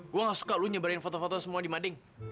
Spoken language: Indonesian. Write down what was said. gue gak suka lu nyebarin foto foto semua di mading